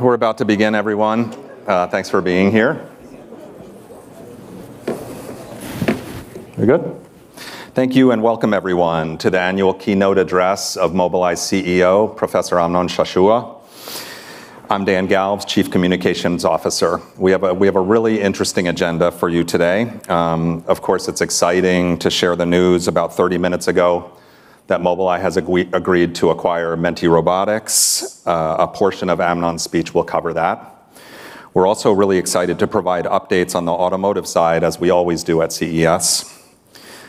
We're about to begin, everyone. Thanks for being here. We're good? Thank you, and welcome, everyone, to the annual keynote address of Mobileye's CEO, Professor Amnon Shashua. I'm Dan Galves, Chief Communications Officer. We have a really interesting agenda for you today. Of course, it's exciting to share the news about 30 minutes ago that Mobileye has agreed to acquire Mentee Robotics. A portion of Amnon's speech will cover that. We're also really excited to provide updates on the automotive side, as we always do at CES.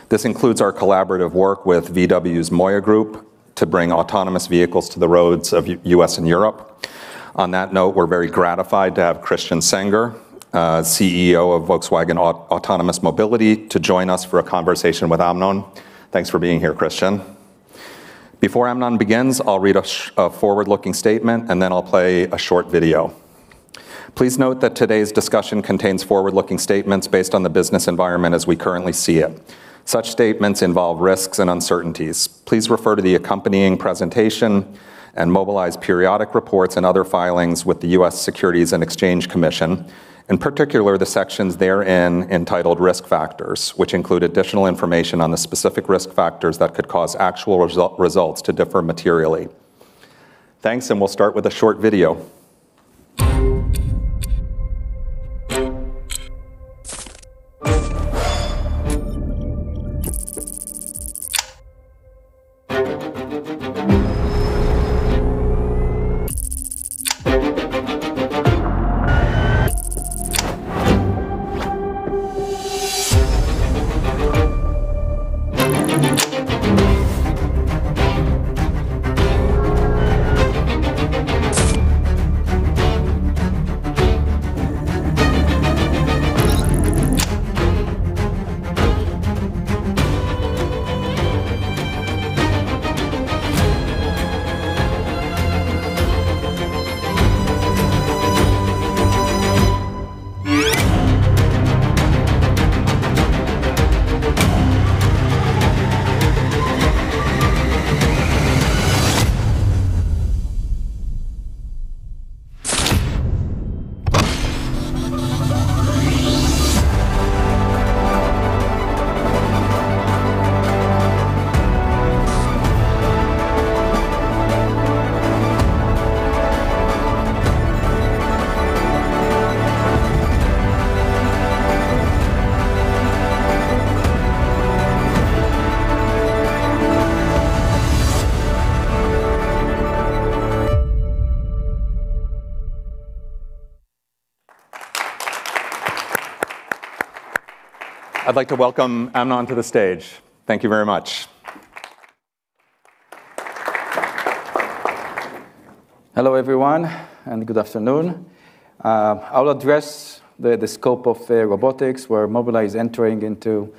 This includes our collaborative work with VW's MOIA Group to bring autonomous vehicles to the roads of the US and Europe. On that note, we're very gratified to have Christian Senger, CEO of Volkswagen Autonomous Mobility, to join us for a conversation with Amnon. Thanks for being here, Christian. Before Amnon begins, I'll read a forward-looking statement, and then I'll play a short video. Please note that today's discussion contains forward-looking statements based on the business environment as we currently see it. Such statements involve risks and uncertainties. Please refer to the accompanying presentation and Mobileye's periodic reports and other filings with the U.S. Securities and Exchange Commission, in particular the sections therein entitled Risk Factors, which include additional information on the specific risk factors that could cause actual results to differ materially. Thanks, and we'll start with a short video. I'd like to welcome Amnon to the stage. Thank you very much. Hello, everyone, and good afternoon. I'll address the scope of robotics, where Mobileye is entering into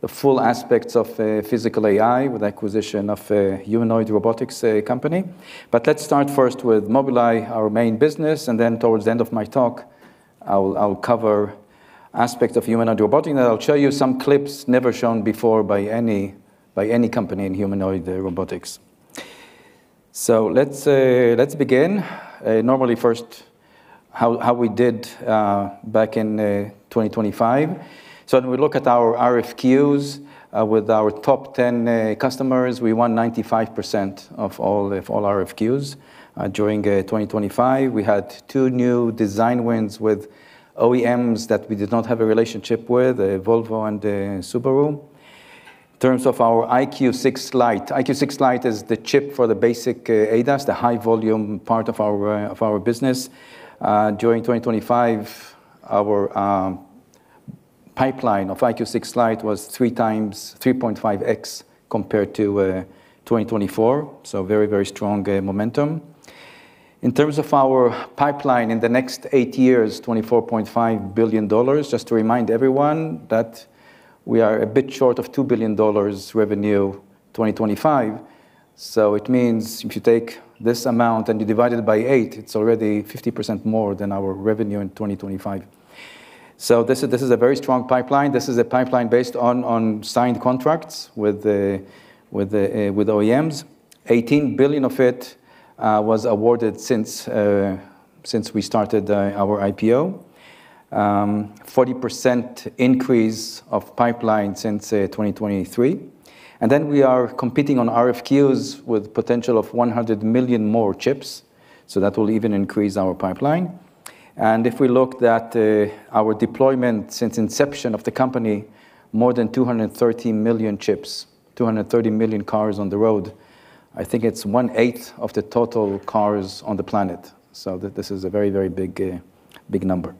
the full aspects of physical AI with the acquisition of a humanoid robotics company. But let's start first with Mobileye, our main business, and then towards the end of my talk, I'll cover aspects of humanoid robotics, and I'll show you some clips never shown before by any company in humanoid robotics. So let's begin. Normally, first, how we did back in 2025. So when we look at our RFQs with our top 10 customers, we won 95% of all RFQs during 2025. We had two new design wins with OEMs that we did not have a relationship with, Volvo and Subaru. In terms of ourEyeQ6 Lite, EyeQ6 Lite is the chip for the basic ADAS, the high-volume part of our business. During 2025, our pipeline ofEyeQ6 Lite was 3.5x compared to 2024, so very, very strong momentum. In terms of our pipeline in the next eight years, $24.5 billion. Just to remind everyone that we are a bit short of $2 billion revenue in 2025. So it means if you take this amount and you divide it by eight, it's already 50% more than our revenue in 2025. So this is a very strong pipeline. This is a pipeline based on signed contracts with OEMs. $18 billion of it was awarded since we started our IPO, a 40% increase of pipeline since 2023. And then we are competing on RFQs with a potential of 100 million more chips, so that will even increase our pipeline. If we look at our deployment since the inception of the company, more than 230 million chips, 230 million cars on the road, I think it's one-eighth of the total cars on the planet. So this is a very, very big number.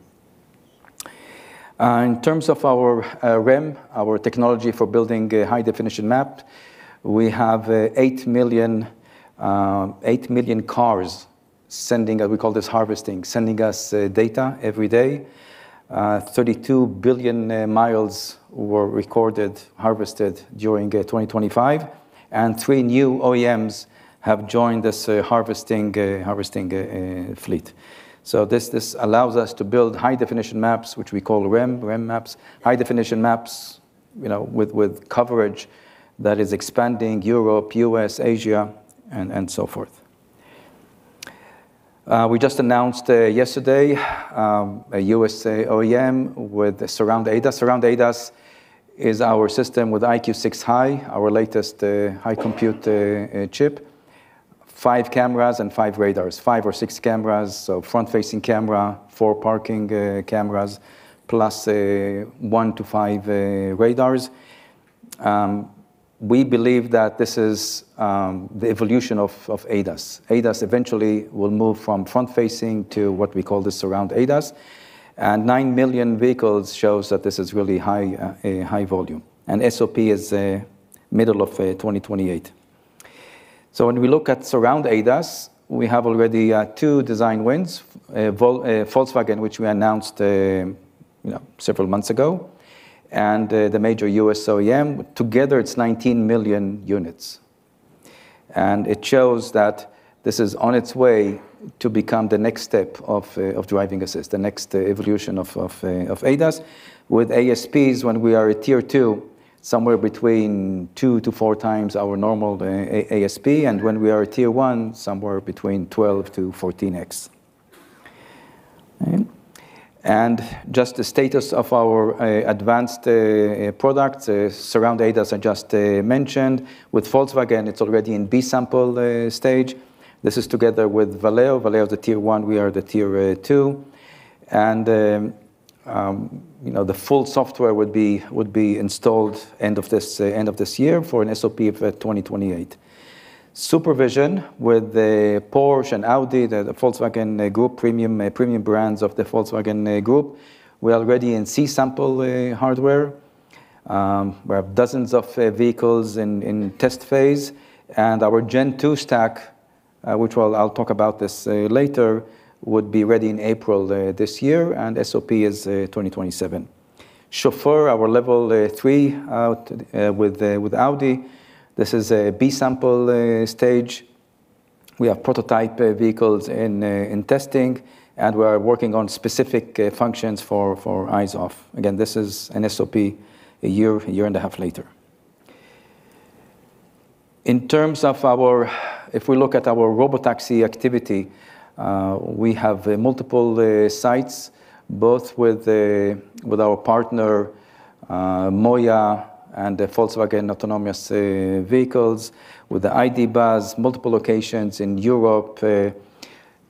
In terms of our REM, our technology for building high-definition maps, we have 8 million cars sending, we call this harvesting, sending us data every day. 32 billion miles were recorded, harvested during 2025, and three new OEMs have joined this harvesting fleet. So this allows us to build high-definition maps, which we call REM, REM maps, high-definition maps with coverage that is expanding Europe, US, Asia, and so forth. We just announced yesterday a US OEM with a Surround ADAS. Surround ADAS is our system withEyeQ6 High, our latest high-compute chip, five cameras and five radars, five or six cameras, so front-facing camera, four parking cameras, plus one to five radars. We believe that this is the evolution of ADAS. ADAS eventually will move from front-facing to what we call the Surround ADAS, and nine million vehicles shows that this is really high volume, and SOP is middle of 2028. So when we look at Surround ADAS, we have already two design wins: Volkswagen, which we announced several months ago, and the major US OEM. Together, it's 19 million units, and it shows that this is on its way to become the next step of driving assist, the next evolution of ADAS. With ASPs, when we are at tier two, somewhere between two to four times our normal ASP, and when we are at tier one, somewhere between 12 to 14x, and just the status of our advanced products, Surround ADAS, I just mentioned. With Volkswagen, it's already in B-Sample stage. This is together with Valeo. Valeo is the tier one, we are the tier two, and the full software would be installed end of this year for an SOP of 2028. Super Vision with Porsche and Audi, the Volkswagen Group, premium brands of the Volkswagen Group. We're already in C-Sample hardware. We have dozens of vehicles in test phase, and our Gen 2 stack, which I'll talk about this later, would be ready in April this year, and SOP is 2027. Chauffeur, our level three with Audi. This is a B-Sample stage. We have prototype vehicles in testing, and we are working on specific functions for eyes-off. Again, this is an SOP a year, year and a half later. In terms of our, if we look at our robotaxi activity, we have multiple sites, both with our partner MOIA and Volkswagen Autonomous Mobility, with the ID. Buzz, multiple locations in Europe,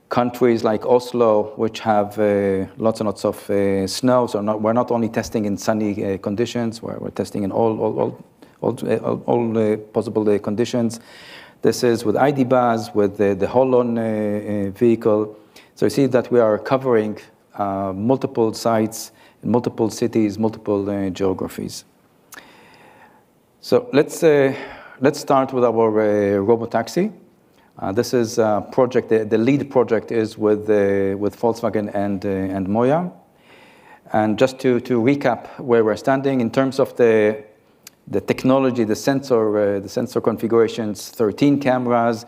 countries like Oslo, which have lots and lots of snow. So we're not only testing in sunny conditions, we're testing in all possible conditions. This is with ID. Buzz, with the Holon vehicle. So you see that we are covering multiple sites, multiple cities, multiple geographies. So let's start with our robotaxi. This is a project, the lead project is with Volkswagen and MOIA. Just to recap where we're standing, in terms of the technology, the sensor configurations, 13 cameras,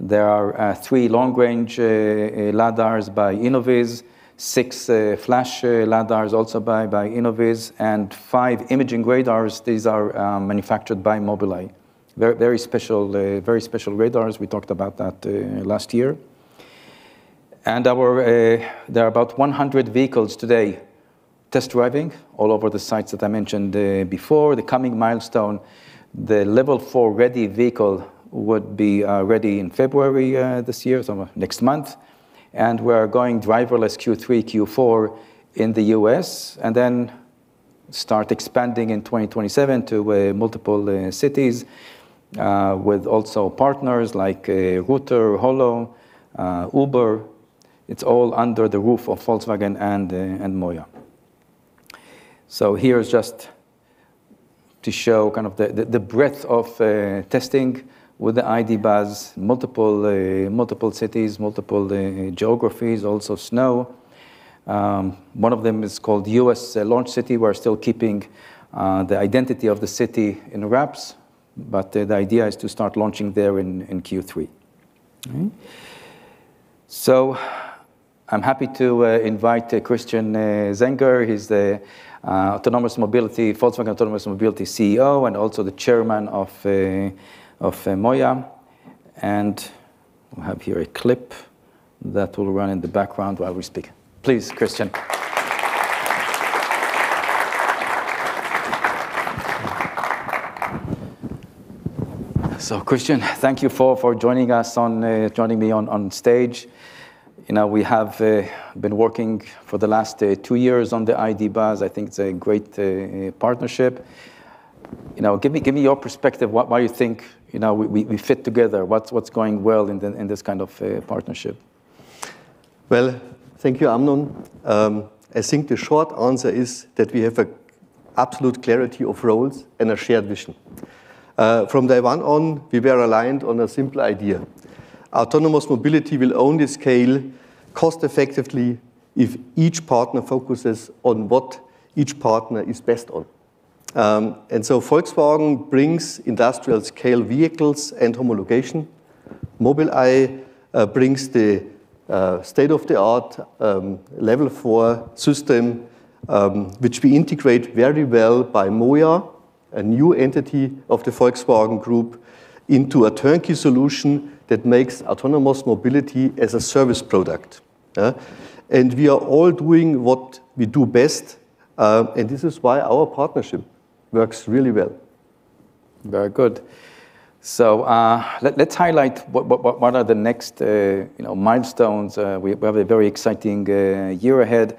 there are three long-range LiDARs by Innoviz, six flash LiDARs also by Innoviz, and five imaging radars. These are manufactured by Mobileye. Very special radars. We talked about that last year. There are about 100 vehicles today test driving all over the sites that I mentioned before. The coming milestone, the Level 4 ready vehicle would be ready in February this year, so next month. We're going driverless Q3, Q4 in the U.S., and then start expanding in 2027 to multiple cities with also partners like Ruter, Holo, Uber. It's all under the roof of Volkswagen and MOIA. Here's just to show kind of the breadth of testing with the ID. Buzz, multiple cities, multiple geographies, also snow. One of them is called U.S. Launch City. We're still keeping the identity of the city in wraps, but the idea is to start launching there in Q3, so I'm happy to invite Christian Senger, he's the Volkswagen Autonomous Mobility CEO and also the chairman of MOIA, and we'll have here a clip that will run in the background while we speak. Please, Christian, so Christian, thank you for joining us, joining me on stage. We have been working for the last two years on the ID. Buzz. I think it's a great partnership. Give me your perspective, why you think we fit together, what's going well in this kind of partnership. Thank you, Amnon. I think the short answer is that we have absolute clarity of roles and a shared vision. From day one on, we were aligned on a simple idea. Autonomous mobility will only scale cost-effectively if each partner focuses on what each partner is best on. And so Volkswagen brings industrial-scale vehicles and homologation. Mobileye brings the state-of-the-art level four system, which we integrate very well by MOIA, a new entity of the Volkswagen Group, into a turnkey solution that makes autonomous mobility as a service product. And we are all doing what we do best, and this is why our partnership works really well. Very good. So let's highlight what are the next milestones. We have a very exciting year ahead.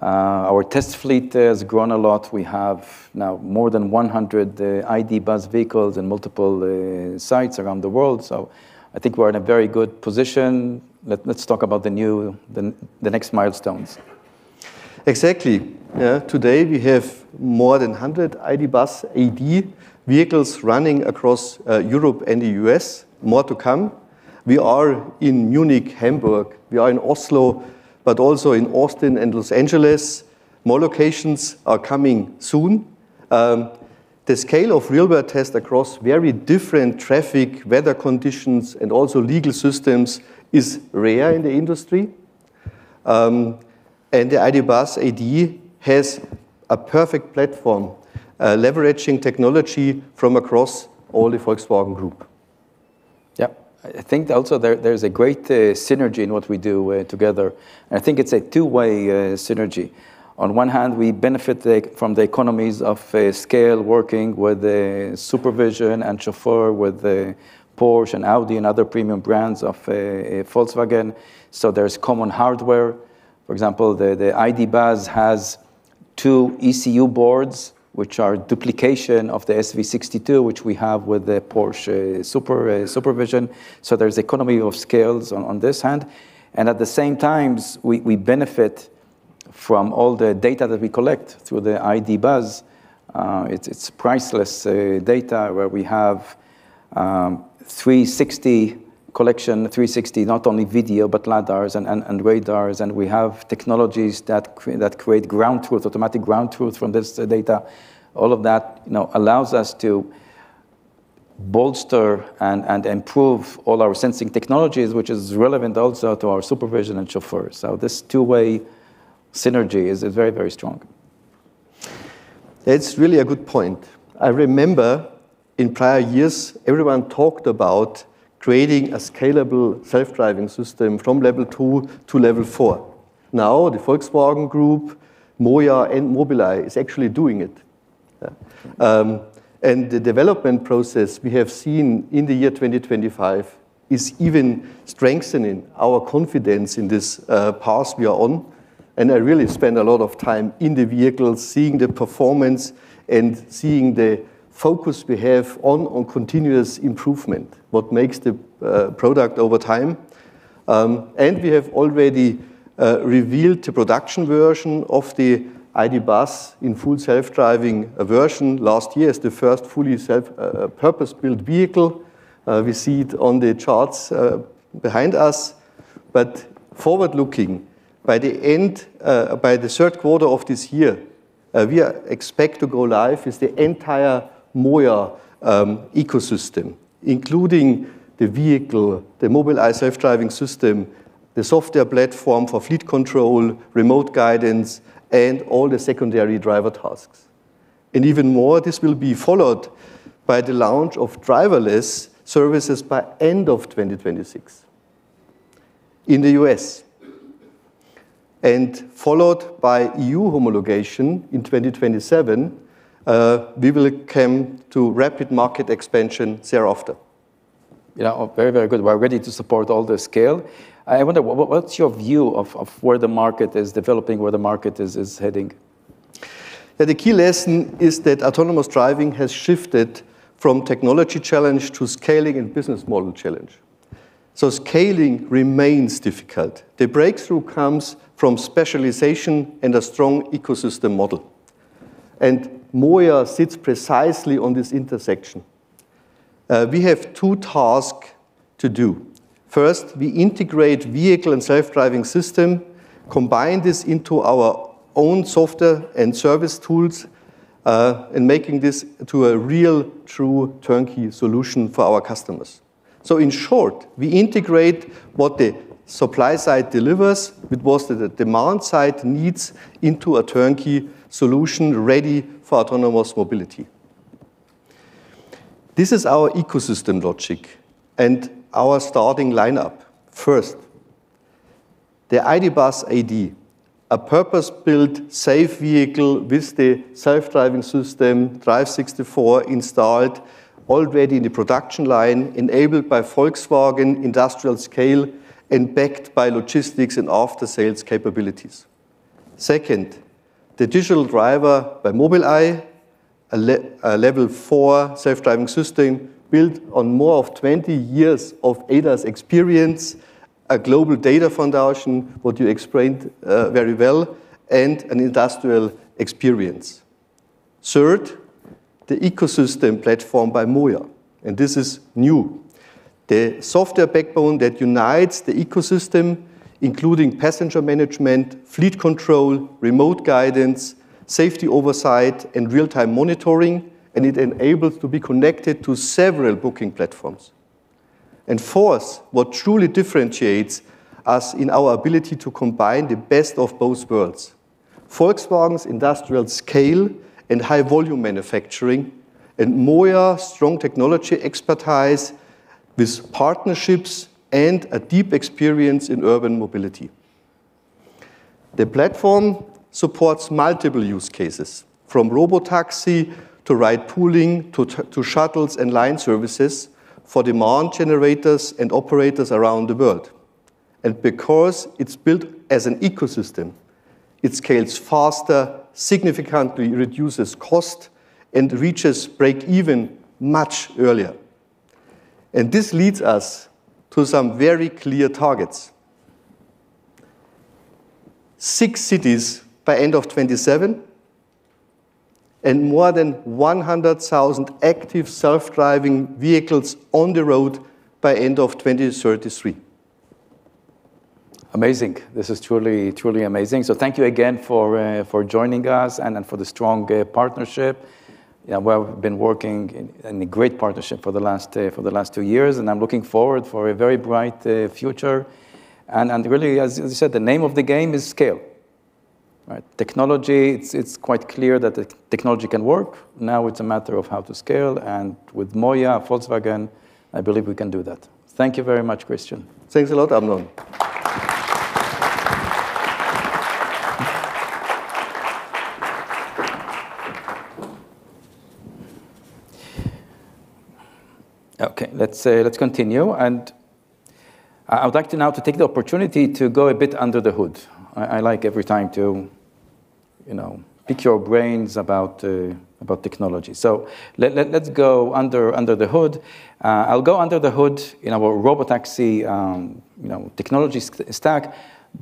Our test fleet has grown a lot. We have now more than 100 ID. Buzz vehicles in multiple sites around the world. So I think we're in a very good position. Let's talk about the next milestones. Exactly. Today we have more than 100 ID. Buzz AD vehicles running across Europe and the U.S., more to come. We are in Munich, Hamburg, we are in Oslo, but also in Austin and Los Angeles. More locations are coming soon. The scale of real-world tests across very different traffic, weather conditions, and also legal systems is rare in the industry, and the ID. Buzz AD has a perfect platform, leveraging technology from across all the Volkswagen Group. Yeah, I think also there's a great synergy in what we do together. And I think it's a two-way synergy. On one hand, we benefit from the economies of scale, working with Supervision and Chauffeur, with Porsche and Audi and other premium brands of Volkswagen. So there's common hardware. For example, the ID. Buzz has two ECU boards, which are duplication of the SV62, which we have with the Porsche Supervision. So there's economy of scales on this end. And at the same time, we benefit from all the data that we collect through the ID. Buzz. It's priceless data where we have 360 collection, 360 not only video, but LiDARs and radars, and we have technologies that create ground truth, automatic ground truth from this data. All of that allows us to bolster and improve all our sensing technologies, which is relevant also to our Supervision and Chauffeur. This two-way synergy is very, very strong. That's really a good point. I remember in prior years, everyone talked about creating a scalable self-driving system from Level 2 to Level 4. Now the Volkswagen Group, MOIA, and Mobileye is actually doing it. The development process we have seen in the year 2025 is even strengthening our confidence in this path we are on. I really spend a lot of time in the vehicle seeing the performance and seeing the focus we have on continuous improvement, what makes the product over time. We have already revealed the production version of the ID. Buzz in full self-driving version last year as the first fully self-purpose-built vehicle. We see it on the charts behind us. But forward-looking, by the end, by the third quarter of this year, we expect to go live with the entire MOIA ecosystem, including the vehicle, the Mobileye self-driving system, the software platform for fleet control, remote guidance, and all the secondary driver tasks. And even more, this will be followed by the launch of driverless services by end of 2026 in the US, and followed by EU homologation in 2027. We will come to rapid market expansion thereafter. Yeah, very, very good. We're ready to support all the scale. I wonder, what's your view of where the market is developing, where the market is heading? The key lesson is that autonomous driving has shifted from technology challenge to scaling and business model challenge, so scaling remains difficult. The breakthrough comes from specialization and a strong ecosystem model, and MOIA sits precisely on this intersection. We have two tasks to do. First, we integrate vehicle and self-driving system, combine this into our own software and service tools, and make this to a real true turnkey solution for our customers, so in short, we integrate what the supply side delivers with what the demand side needs into a turnkey solution ready for autonomous mobility. This is our ecosystem logic and our starting lineup. First, the ID. Buzz AD, a purpose-built safe vehicle with the self-driving system, Drive64 installed already in the production line, enabled by Volkswagen industrial scale and backed by logistics and after-sales capabilities. Second, the digital driver by Mobileye, a Level 4 self-driving system built on more than 20 years of ADAS experience, a global data foundation, what you explained very well, and an industrial experience. Third, the ecosystem platform by MOIA, and this is new. The software backbone that unites the ecosystem, including passenger management, fleet control, remote guidance, safety oversight, and real-time monitoring, and it enables to be connected to several booking platforms. And fourth, what truly differentiates us in our ability to combine the best of both worlds, Volkswagen's industrial scale and high-volume manufacturing, and MOIA's strong technology expertise with partnerships and a deep experience in urban mobility. The platform supports multiple use cases, from robotaxi to ride pooling to shuttles and line services for demand generators and operators around the world. And because it's built as an ecosystem, it scales faster, significantly reduces cost, and reaches break-even much earlier. This leads us to some very clear targets: six cities by end of 2027, and more than 100,000 active self-driving vehicles on the road by end of 2033. Amazing. This is truly amazing. So thank you again for joining us and for the strong partnership. We've been working in a great partnership for the last two years, and I'm looking forward to a very bright future. And really, as you said, the name of the game is scale. Technology, it's quite clear that technology can work. Now it's a matter of how to scale. And with MOIA, Volkswagen, I believe we can do that. Thank you very much, Christian. Thanks a lot, Amnon. Okay, let's continue. And I would like now to take the opportunity to go a bit under the hood. I like every time to pick your brains about technology. So let's go under the hood. I'll go under the hood in our Robotaxi technology stack,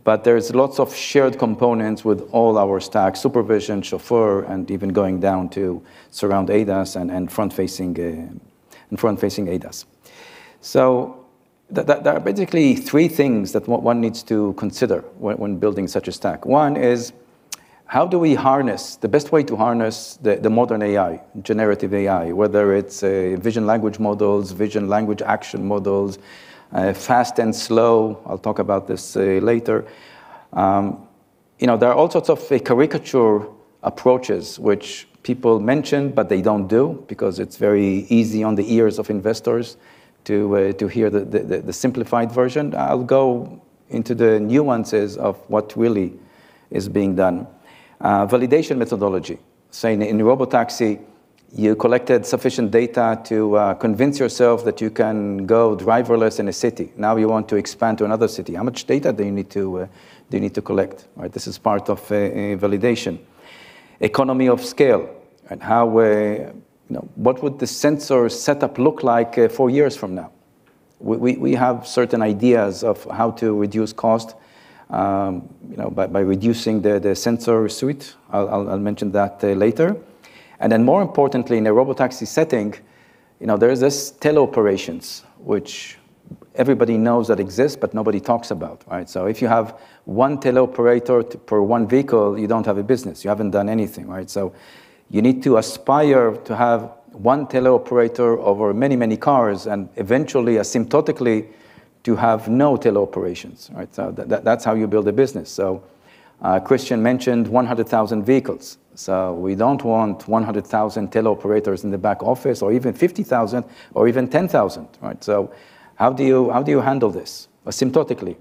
but there's lots of shared components with all our stack, SuperVision, Chauffeur, and even going down to Surround ADAS and front-facing ADAS. So there are basically three things that one needs to consider when building such a stack. One is how do we harness the best way to harness the modern AI, generative AI, whether it's vision language models, vision language action models, fast and slow. I'll talk about this later. There are all sorts of caricature approaches, which people mention, but they don't do because it's very easy on the ears of investors to hear the simplified version. I'll go into the nuances of what really is being done. Validation methodology, saying in robotaxi, you collected sufficient data to convince yourself that you can go driverless in a city. Now you want to expand to another city. How much data do you need to collect? This is part of validation. Economy of scale, what would the sensor setup look like four years from now? We have certain ideas of how to reduce cost by reducing the sensor suite. I'll mention that later. And then more importantly, in a robotaxi setting, there are these teleoperations, which everybody knows that exist, but nobody talks about. So if you have one teleoperator per one vehicle, you don't have a business. You haven't done anything. So you need to aspire to have one teleoperator over many, many cars and eventually asymptotically to have no teleoperations. That's how you build a business. So Christian mentioned 100,000 vehicles. So we don't want 100,000 teleoperators in the back office or even 50,000 or even 10,000. So how do you handle this asymptotically?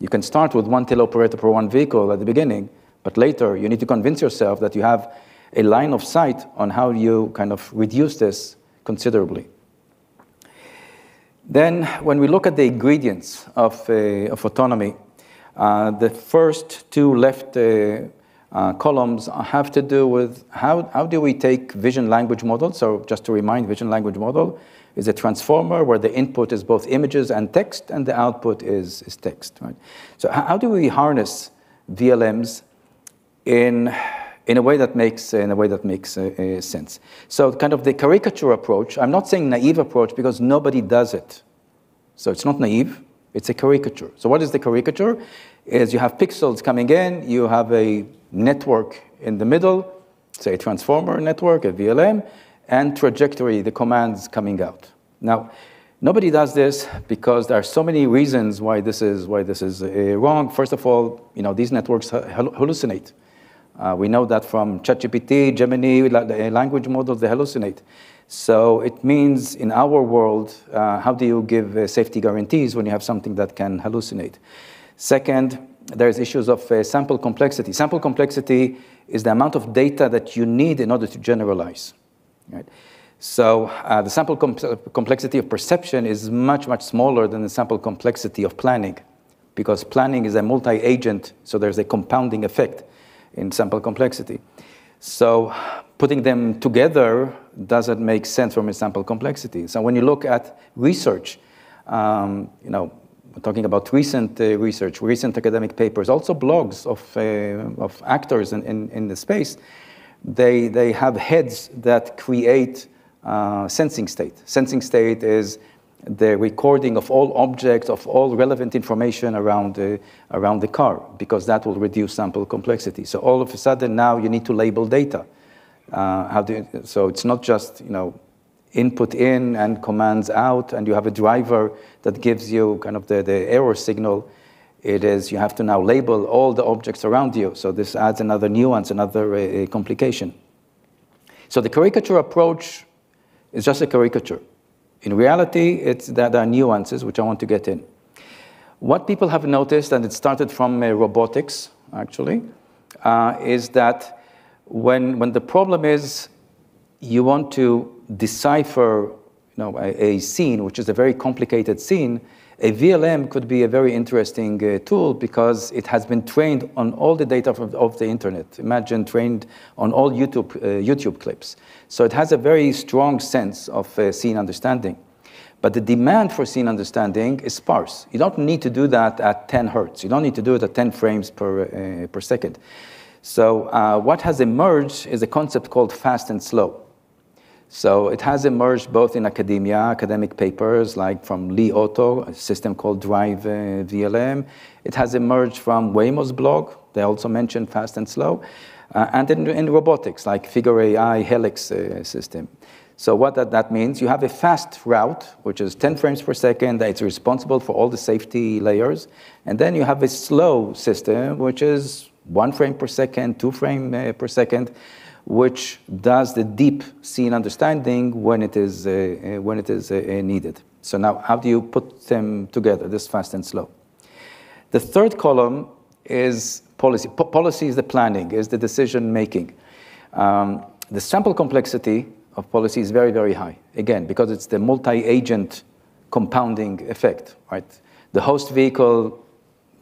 You can start with one teleoperator per one vehicle at the beginning, but later you need to convince yourself that you have a line of sight on how you kind of reduce this considerably. Then when we look at the ingredients of autonomy, the first two left columns have to do with how do we take vision language models? So just to remind, vision language model is a transformer where the input is both images and text and the output is text. So how do we harness VLMs in a way that makes sense? So kind of the caricature approach, I'm not saying naive approach because nobody does it. So it's not naive. It's a caricature. So what is the caricature? As you have pixels coming in, you have a network in the middle, say a transformer network, a VLM, and trajectory, the commands coming out. Now, nobody does this because there are so many reasons why this is wrong. First of all, these networks hallucinate. We know that from ChatGPT, Gemini, language models. They hallucinate. So it means in our world, how do you give safety guarantees when you have something that can hallucinate? Second, there are issues of sample complexity. Sample complexity is the amount of data that you need in order to generalize. So the sample complexity of perception is much, much smaller than the sample complexity of planning because planning is a multi-agent, so there's a compounding effect in sample complexity. So putting them together doesn't make sense from a sample complexity. So when you look at research, talking about recent research, recent academic papers, also blogs of actors in the space, they have heads that create Sensing State. Sensing State is the recording of all objects, of all relevant information around the car because that will reduce Sample Complexity. So all of a sudden now you need to label data. So it's not just input in and commands out, and you have a driver that gives you kind of the error signal. It is you have to now label all the objects around you. So this adds another nuance, another complication. So the caricature approach is just a caricature. In reality, it's that there are nuances which I want to get in. What people have noticed, and it started from robotics actually, is that when the problem is you want to decipher a scene, which is a very complicated scene, a VLM could be a very interesting tool because it has been trained on all the data of the internet. Imagine trained on all YouTube clips. So it has a very strong sense of scene understanding. But the demand for scene understanding is sparse. You don't need to do that at 10 Hertz. You don't need to do it at 10 frames per second. So what has emerged is a concept called fast and slow. So it has emerged both in academia, academic papers like from Li Auto, a system called DriveVLM. It has emerged from Waymo's blog. They also mentioned fast and slow. And in robotics like Figure AI, Helix system. So what that means, you have a fast route, which is 10 frames per second that is responsible for all the safety layers. And then you have a slow system, which is one frame per second, two frames per second, which does the deep scene understanding when it is needed. So now how do you put them together, this fast and slow? The third column is policy. Policy is the planning, is the decision making. The sample complexity of policy is very, very high, again, because it's the multi-agent compounding effect. The host vehicle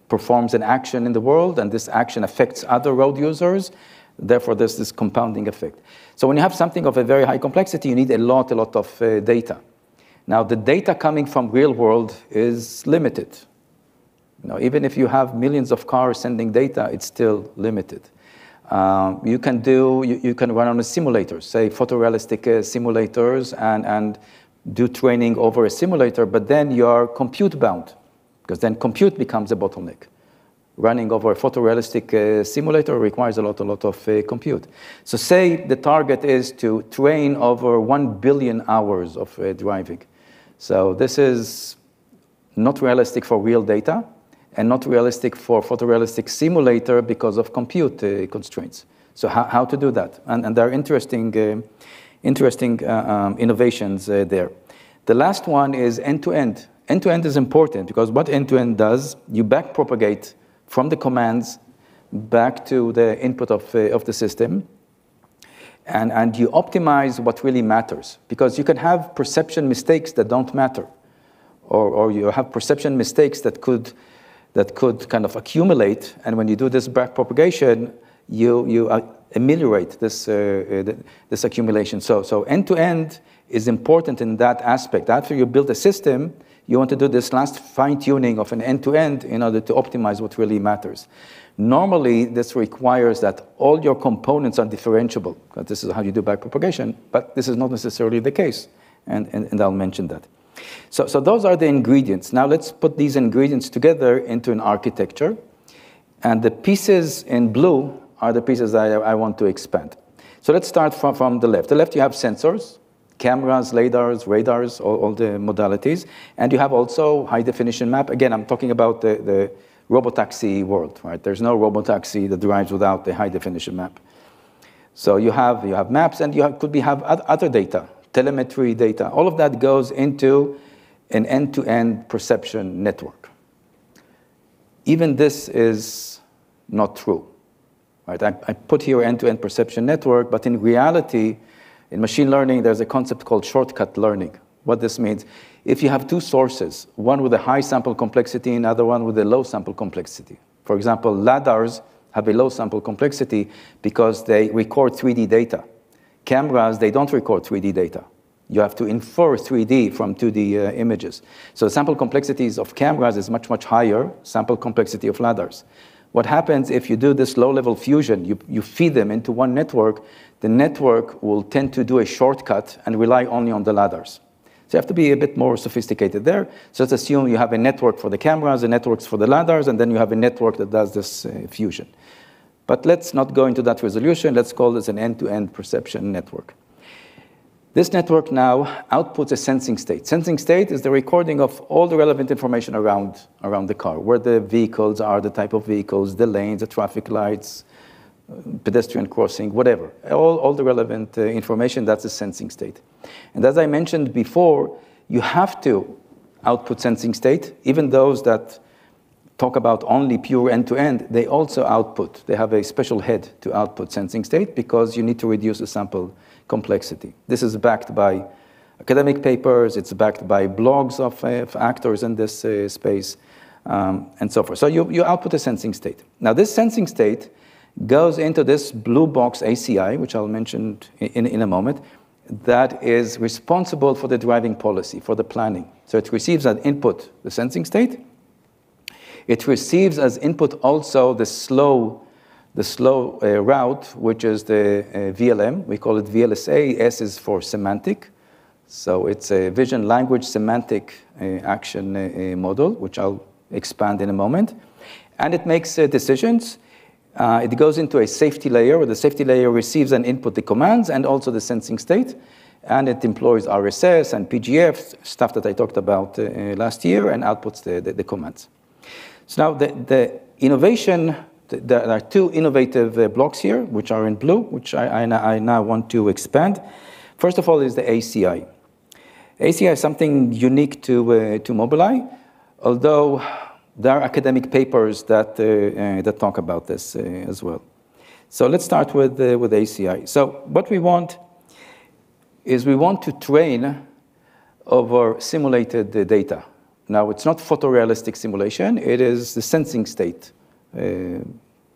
performs an action in the world, and this action affects other road users. Therefore, there's this compounding effect. So when you have something of a very high complexity, you need a lot, a lot of data. Now, the data coming from real world is limited. Even if you have millions of cars sending data, it's still limited. You can run on a simulator, say photorealistic simulators, and do training over a simulator, but then you are compute bound because then compute becomes a bottleneck. Running over a photorealistic simulator requires a lot, a lot of compute, so say the target is to train over one billion hours of driving, so this is not realistic for real data and not realistic for photorealistic simulator because of compute constraints, so how to do that, and there are interesting innovations there. The last one is end-to-end. End-to-end is important because what end-to-end does, you back propagate from the commands back to the input of the system, and you optimize what really matters because you can have perception mistakes that don't matter or you have perception mistakes that could kind of accumulate. When you do this back propagation, you ameliorate this accumulation. End-to-end is important in that aspect. After you build a system, you want to do this last fine-tuning of an end-to-end in order to optimize what really matters. Normally, this requires that all your components are differentiable because this is how you do back propagation, but this is not necessarily the case. I'll mention that. Those are the ingredients. Now let's put these ingredients together into an architecture. The pieces in blue are the pieces that I want to expand. Let's start from the left. The left, you have sensors, cameras, LiDARs, radars, all the modalities. You have also high-definition map. Again, I'm talking about the robotaxi world. There's no robotaxi that drives without the high-definition map. You have maps and you could have other data, telemetry data. All of that goes into an end-to-end perception network. Even this is not true. I put here end-to-end perception network, but in reality, in machine learning, there's a concept called shortcut learning. What this means, if you have two sources, one with a high sample complexity and the other one with a low sample complexity. For example, LiDARs have a low sample complexity because they record 3D data. Cameras, they don't record 3D data. You have to infer 3D from 2D images. So sample complexities of cameras is much, much higher sample complexity of LiDARs. What happens if you do this low-level fusion, you feed them into one network, the network will tend to do a shortcut and rely only on the LiDARs. So you have to be a bit more sophisticated there. Let's assume you have a network for the cameras, a network for the LiDARs, and then you have a network that does this fusion. Let's not go into that resolution. Let's call this an end-to-end perception network. This network now outputs a sensing state. Sensing state is the recording of all the relevant information around the car, where the vehicles are, the type of vehicles, the lanes, the traffic lights, pedestrian crossing, whatever. All the relevant information, that's a sensing state. As I mentioned before, you have to output sensing state. Even those that talk about only pure end-to-end, they also output. They have a special head to output sensing state because you need to reduce the sample complexity. This is backed by academic papers. It's backed by blogs of actors in this space and so forth. You output a sensing state. Now, this sensing state goes into this blue box ACI, which I'll mention in a moment. That is responsible for the driving policy, for the planning. So it receives that input, the sensing state. It receives as input also the slow route, which is the VLM. We call it VLSA. S is for semantic. So it's a vision language semantic action model, which I'll expand in a moment, and it makes decisions. It goes into a safety layer, where the safety layer receives as input the commands and also the sensing state. And it employs RSS and PGF, stuff that I talked about last year and outputs the commands. So now the innovation, there are two innovative blocks here, which are in blue, which I now want to expand. First of all, is the ACI. ACI is something unique to Mobileye, although there are academic papers that talk about this as well. Let's start with ACI. What we want is we want to train over simulated data. Now, it's not photorealistic simulation. It is the sensing state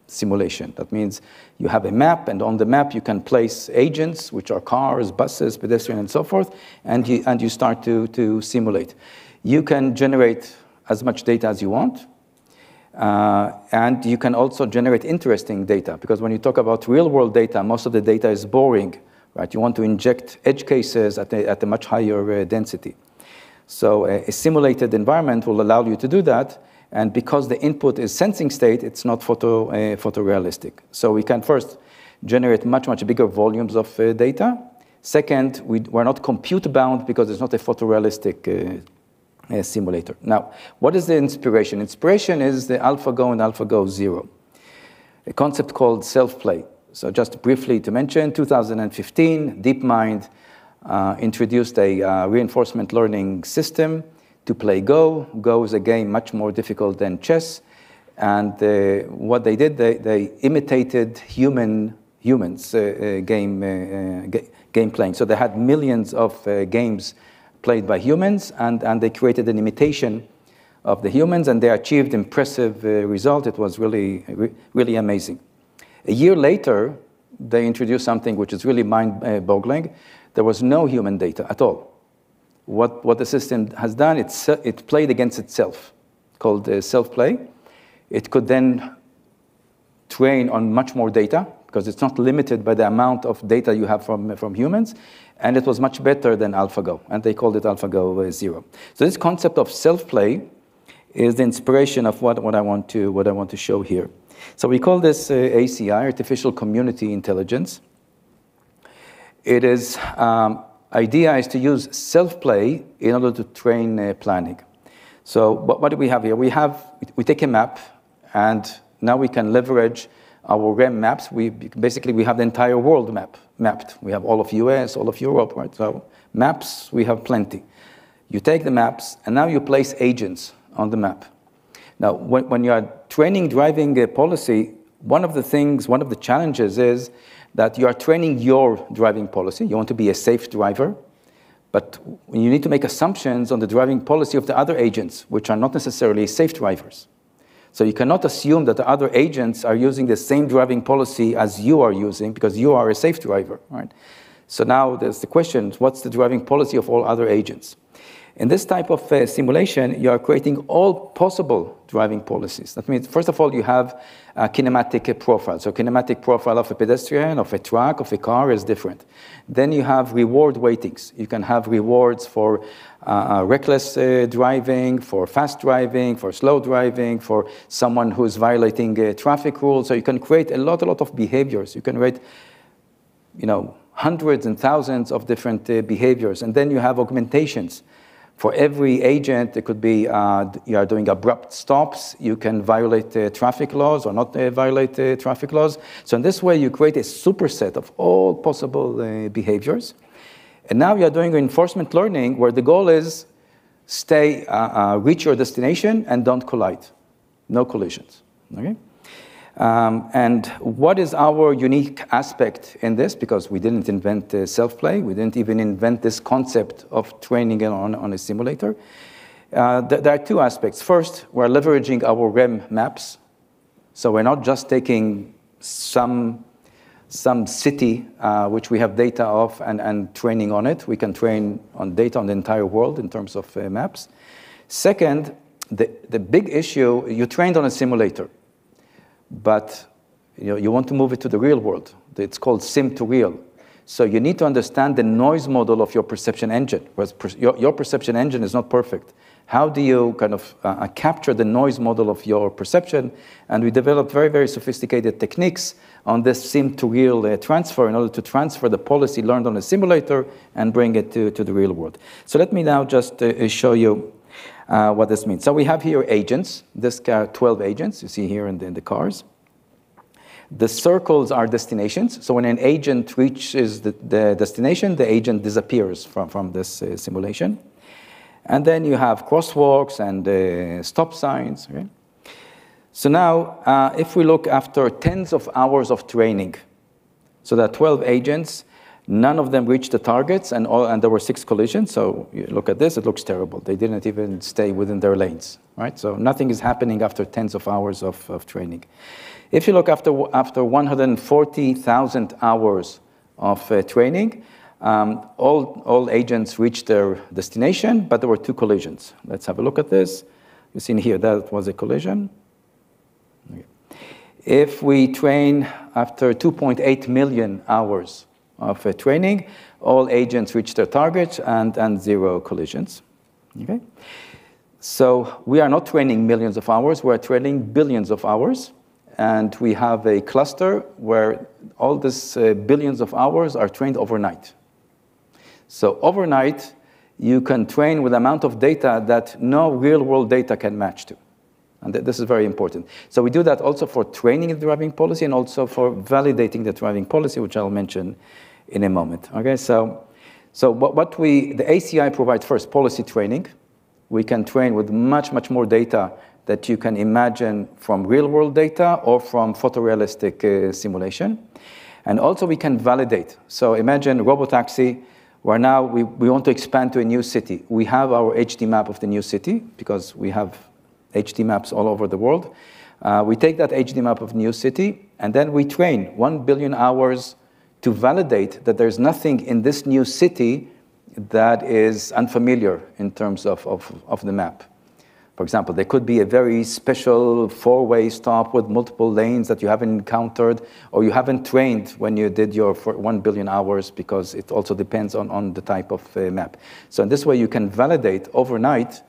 simulation. That means you have a map, and on the map, you can place agents, which are cars, buses, pedestrians, and so forth, and you start to simulate. You can generate as much data as you want and you can also generate interesting data because when you talk about real-world data, most of the data is boring. You want to inject edge cases at a much higher density. A simulated environment will allow you to do that. Because the input is sensing state, it's not photorealistic. We can first generate much, much bigger volumes of data. Second, we're not compute bound because it's not a photorealistic simulator. Now, what is the inspiration? Inspiration is the AlphaGo and AlphaGo Zero, a concept called self-play. So just briefly to mention, 2015, DeepMind introduced a reinforcement learning system to play Go. Go is a game much more difficult than chess. And what they did, they imitated humans' game playing. So they had millions of games played by humans, and they created an imitation of the humans, and they achieved impressive results. It was really amazing. A year later, they introduced something which is really mind-boggling. There was no human data at all. What the system has done, it played against itself called self-play. It could then train on much more data because it's not limited by the amount of data you have from humans. And it was much better than AlphaGo. And they called it AlphaGo Zero. So this concept of self-play is the inspiration of what I want to show here. So we call this ACI, Artificial Community Intelligence. Idea is to use self-play in order to train planning. So what do we have here? We take a map, and now we can leverage our REM maps. Basically, we have the entire world mapped. We have all of the U.S., all of Europe. So maps, we have plenty. You take the maps, and now you place agents on the map. Now, when you are training driving policy, one of the things, one of the challenges is that you are training your driving policy. You want to be a safe driver, but you need to make assumptions on the driving policy of the other agents, which are not necessarily safe drivers. You cannot assume that the other agents are using the same driving policy as you are using because you are a safe driver. So now there's the question, what's the driving policy of all other agents? In this type of simulation, you are creating all possible driving policies. That means, first of all, you have a kinematic profile. So kinematic profile of a pedestrian, of a truck, of a car is different. Then you have reward weightings. You can have rewards for reckless driving, for fast driving, for slow driving, for someone who's violating traffic rules. So you can create a lot, a lot of behaviors. You can create hundreds and thousands of different behaviors. And then you have augmentations for every agent. It could be you are doing abrupt stops. You can violate traffic laws or not violate traffic laws. In this way, you create a superset of all possible behaviors. And now you're doing reinforcement learning where the goal is reach your destination and don't collide. No collisions. And what is our unique aspect in this? Because we didn't invent self-play. We didn't even invent this concept of training on a simulator. There are two aspects. First, we're leveraging our REM maps. So we're not just taking some city, which we have data of and training on it. We can train on data on the entire world in terms of maps. Second, the big issue, you trained on a simulator, but you want to move it to the real world. It's called sim-to-real. So you need to understand the noise model of your perception engine. Your perception engine is not perfect. How do you kind of capture the noise model of your perception? And we developed very, very sophisticated techniques on this sim to real transfer in order to transfer the policy learned on a simulator and bring it to the real world, so let me now just show you what this means, so we have here agents. There are 12 agents you see here in the cars. The circles are destinations, so when an agent reaches the destination, the agent disappears from this simulation, and then you have crosswalks and stop signs, so now, if we look after tens of hours of training, there are 12 agents, none of them reached the targets, and there were six collisions. You look at this, it looks terrible. They didn't even stay within their lanes, so nothing is happening after tens of hours of training. If you look after 140,000 hours of training, all agents reached their destination, but there were two collisions. Let's have a look at this. You see, in here, that was a collision. If we train after 2.8 million hours of training, all agents reached their targets and zero collisions, so we are not training millions of hours. We're training billions of hours, and we have a cluster where all these billions of hours are trained overnight. So overnight, you can train with an amount of data that no real-world data can match to. And this is very important. We do that also for training the driving policy and also for validating the driving policy, which I'll mention in a moment. The ACI provides first policy training. We can train with much, much more data that you can imagine from real-world data or from photorealistic simulation. And also, we can validate. Imagine robotaxi, where now we want to expand to a new city. We have our HD map of the new city because we have HD maps all over the world. We take that HD map of the new city, and then we train one billion hours to validate that there's nothing in this new city that is unfamiliar in terms of the map. For example, there could be a very special four-way stop with multiple lanes that you haven't encountered or you haven't trained when you did your one billion hours because it also depends on the type of map. So in this way, you can validate overnight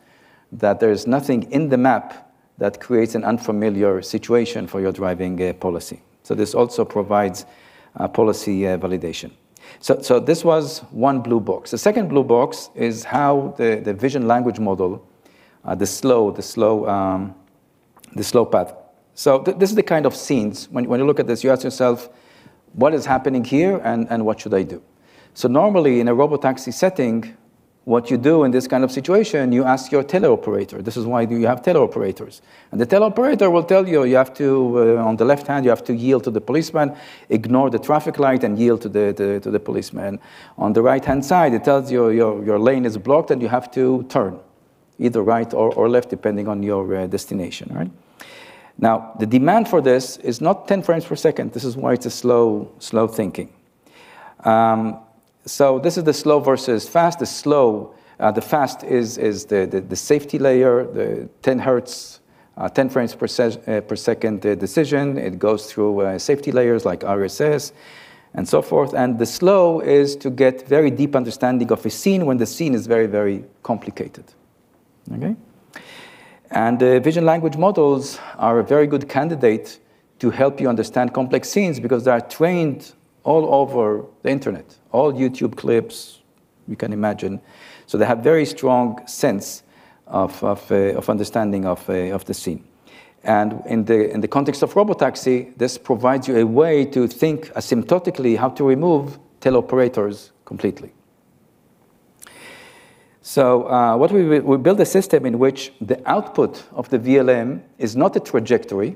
that there's nothing in the map that creates an unfamiliar situation for your driving policy. So this also provides policy validation. So this was one blue box. The second blue box is how the vision-language model, the slow path. So this is the kind of scenes. When you look at this, you ask yourself, what is happening here and what should I do? So normally, in a robotaxi setting, what you do in this kind of situation, you ask your teleoperator. This is why you have teleoperators, and the teleoperator will tell you, on the left-hand, you have to yield to the policeman, ignore the traffic light, and yield to the policeman. On the right-hand side, it tells you your lane is blocked and you have to turn either right or left depending on your destination. Now, the demand for this is not 10 frames per second. This is why it's a slow thinking, so this is the slow versus fast. The fast is the safety layer, the 10 frames per second decision. It goes through safety layers like RSS and so forth. The slow is to get very deep understanding of a scene when the scene is very, very complicated. Vision-language models are a very good candidate to help you understand complex scenes because they are trained all over the internet, all YouTube clips you can imagine. They have very strong sense of understanding of the scene. In the context of robotaxi, this provides you a way to think asymptotically how to remove teleoperators completely. We build a system in which the output of the VLM is not a trajectory.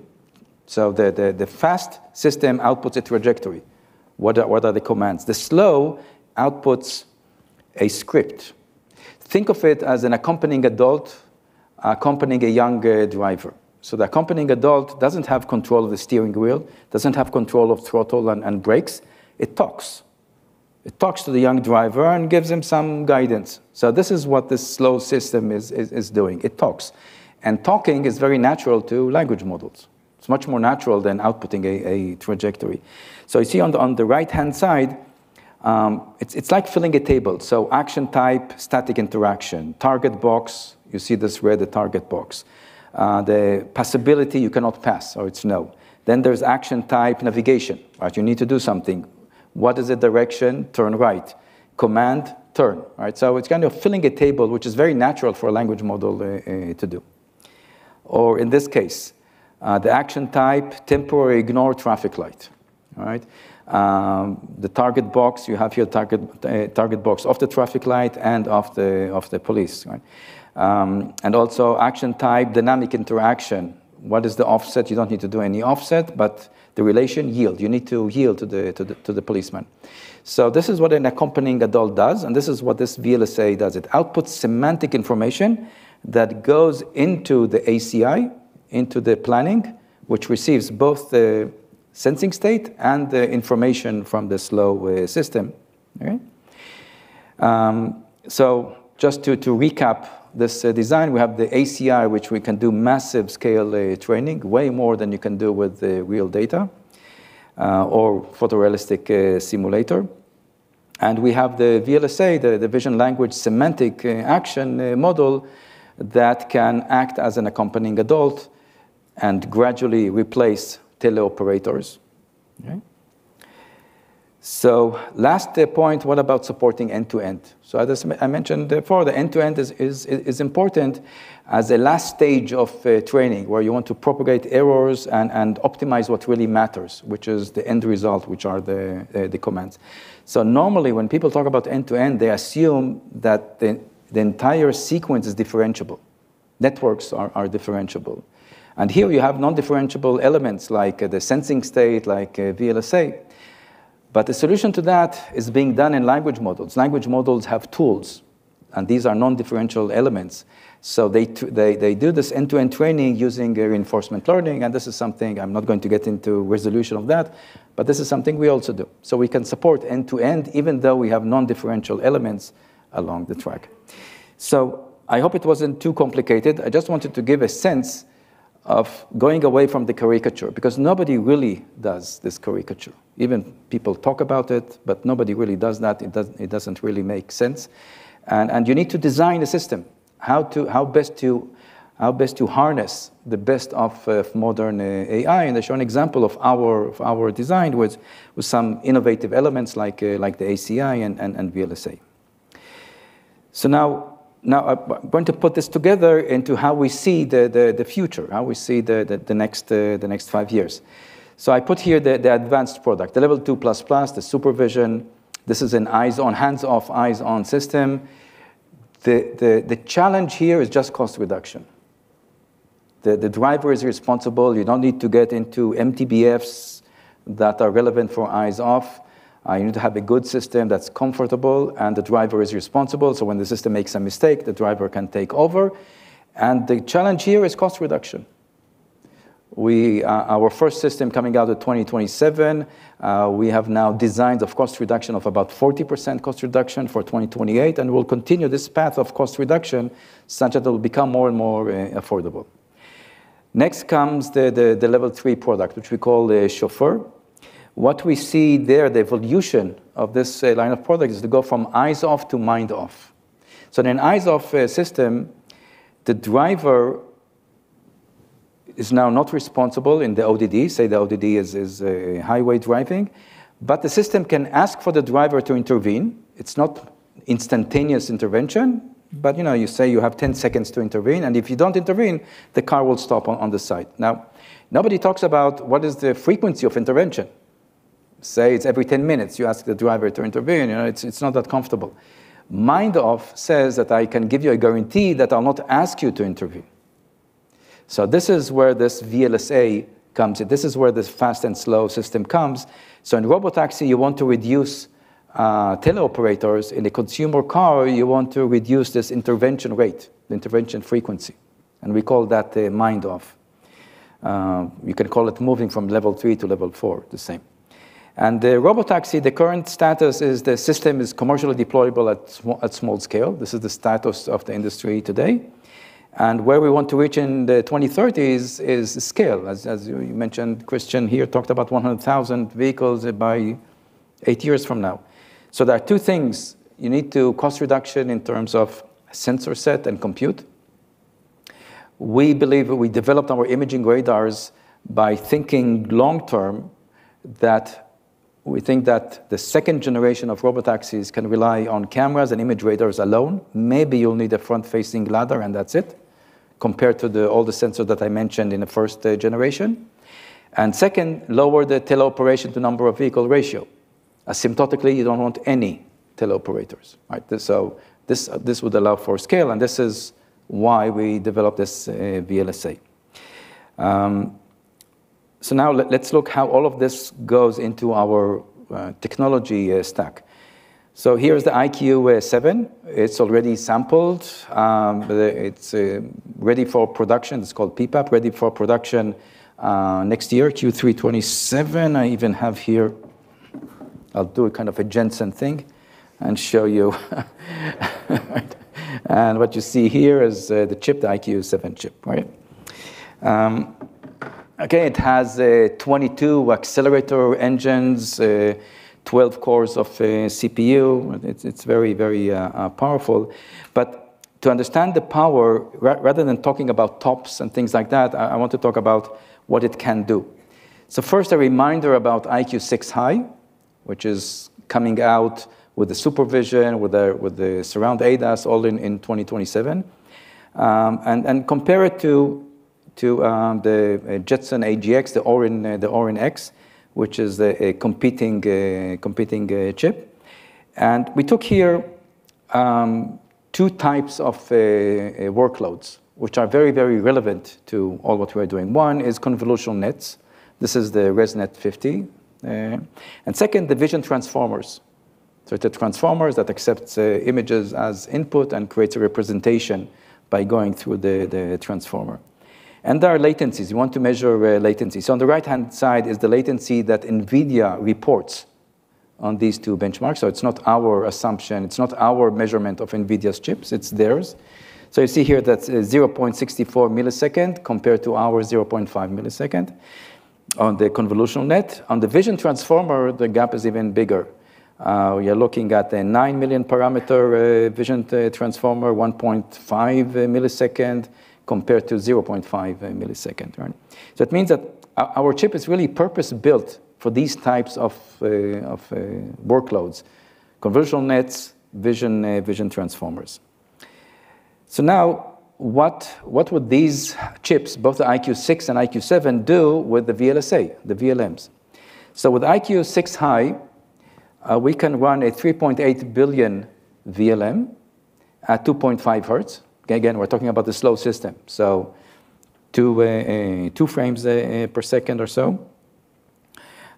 The fast system outputs a trajectory. What are the commands? The slow outputs a script. Think of it as an accompanying adult accompanying a young driver. The accompanying adult doesn't have control of the steering wheel, doesn't have control of throttle and brakes. It talks. It talks to the young driver and gives him some guidance. So this is what this slow system is doing. It talks. And talking is very natural to language models. It's much more natural than outputting a trajectory. So you see on the right-hand side, it's like filling a table. So action type, static interaction, target box. You see this red, the target box. The passability, you cannot pass or it's no. Then there's action type navigation. You need to do something. What is the direction? Turn right. Command, turn. So it's kind of filling a table, which is very natural for a language model to do. Or in this case, the action type, temporary ignore traffic light. The target box, you have your target box of the traffic light and of the police. And also action type, dynamic interaction. What is the offset? You don't need to do any offset, but the relation, yield. You need to yield to the policeman. So this is what an accompanying adult does, and this is what this VLSA does. It outputs semantic information that goes into the ACI, into the planning, which receives both the sensing state and the information from the slow system. So just to recap this design, we have the ACI, which we can do massive scale training, way more than you can do with real data or photorealistic simulator. And we have the VLSA, the vision language semantic action model that can act as an accompanying adult and gradually replace teleoperators. So last point, what about supporting end-to-end? So as I mentioned before, the end-to-end is important as a last stage of training where you want to propagate errors and optimize what really matters, which is the end result, which are the commands. So normally, when people talk about end-to-end, they assume that the entire sequence is differentiable. Networks are differentiable. And here you have non-differentiable elements like the sensing state, like VLSA. But the solution to that is being done in language models. Language models have tools, and these are non-differentiable elements. So they do this end-to-end training using reinforcement learning, and this is something I'm not going to get into, resolution of that, but this is something we also do. So we can support end-to-end even though we have non-differentiable elements along the track. So I hope it wasn't too complicated. I just wanted to give a sense of going away from the caricature because nobody really does this caricature. Even people talk about it, but nobody really does that. It doesn't really make sense, and you need to design a system, how best to harness the best of modern AI, and I show an example of our design with some innovative elements like the ACI and VLSA, so now I'm going to put this together into how we see the future, how we see the next five years, so I put here the advanced product, the level two plus plus, the Supervision. This is an eyes-on, hands-off, eyes-on system. The challenge here is just cost reduction. The driver is responsible. You don't need to get into MTBFs that are relevant for eyes-off. You need to have a good system that's comfortable, and the driver is responsible. When the system makes a mistake, the driver can take over. The challenge here is cost reduction. Our first system coming out of 2027, we have now designed a cost reduction of about 40% cost reduction for 2028, and we'll continue this path of cost reduction such that it will become more and more affordable. Next comes the Level 3 product, which we call the Chauffeur. What we see there, the evolution of this line of product is to go from Eyes-off to Mind-off. In an Eyes-off system, the driver is now not responsible in the ODD, say the ODD is highway driving, but the system can ask for the driver to intervene. It's not instantaneous intervention, but you say you have 10 seconds to intervene, and if you don't intervene, the car will stop on the side. Now, nobody talks about what is the frequency of intervention. Say it's every 10 minutes you ask the driver to intervene. It's not that comfortable. Mind-off says that I can give you a guarantee that I'll not ask you to intervene, so this is where this VLSA comes in. This is where this fast and slow system comes, so in robotaxi, you want to reduce teleoperators in a consumer car, you want to reduce this intervention rate, the intervention frequency, and we call that mind-off. You can call it moving from level three to level four, the same, and the robotaxi, the current status is the system is commercially deployable at small scale. This is the status of the industry today, and where we want to reach in the 2030s is scale. As you mentioned, Christian here talked about 100,000 vehicles by eight years from now. There are two things. You need cost reduction in terms of sensor set and compute. We believe we developed our imaging radars by thinking long-term that we think that the second generation of robotaxis can rely on cameras and imaging radars alone. Maybe you'll need a front-facing LiDAR and that's it, compared to all the sensors that I mentioned in the first generation. And second, lower the teleoperation to number of vehicle ratio. Asymptotically, you don't want any teleoperators. So this would allow for scale, and this is why we developed this VLSA. So now let's look how all of this goes into our technology stack. So here's the EyeQ7. It's already sampled. It's ready for production. It's called PPAP, ready for production next year, Q3 27. I even have here, I'll do a kind of a Jensen thing and show you. What you see here is the chip, the EyeQ7 chip. Okay, it has 22 accelerator engines, 12 cores of CPU. It's very, very powerful. To understand the power, rather than talking about tops and things like that, I want to talk about what it can do. First, a reminder aboutEyeQ6 High, which is coming out with the SuperVision, with the Surround ADAS all in 2027. Compare it to the Jetson AGX, the Orin X, which is a competing chip. We took here two types of workloads, which are very, very relevant to all what we're doing. One is convolutional nets. This is the ResNet-50. Second, the vision transformers. So it's a transformer that accepts images as input and creates a representation by going through the transformer. There are latencies. You want to measure latencies. So on the right-hand side is the latency that NVIDIA reports on these two benchmarks, so it's not our assumption. It's not our measurement of Nvidia's chips. It's theirs, so you see here that's 0.64 millisecond compared to our 0.5 millisecond on the convolutional net. On the vision transformer, the gap is even bigger. You're looking at a nine million parameter vision transformer, 1.5 millisecond compared to 0.5 millisecond, so it means that our chip is really purpose-built for these types of workloads, convolutional nets, vision transformers. So now, what would these chips, both theEyeQ6 and EyeQ7, do with the VLSA, the VLMs? So withEyeQ6 High, we can run a 3.8 billion VLM at 2.5 hertz. Again, we're talking about the slow system, so two frames per second or so,